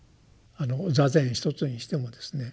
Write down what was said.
座禅一つにしてもですね